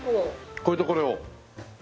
これとこれを。